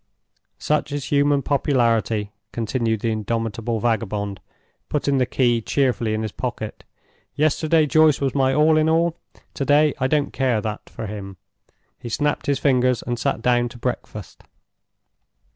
"Such is human popularity!" continued the indomitable vagabond, putting the key cheerfully in his pocket. "Yesterday Joyce was my all in all. To day I don't care that for him!" He snapped his fingers and sat down to breakfast.